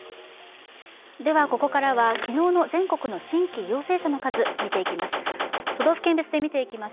ここからは昨日の全国の新規陽性者の数、見ていきます。